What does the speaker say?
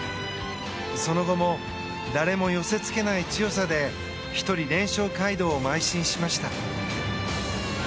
その後も誰も寄せ付けない強さで１人、連勝街道をまい進しました。